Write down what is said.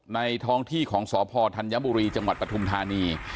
ท้องที่ของสพธัญบุรีจังหวัดปฐุมธานี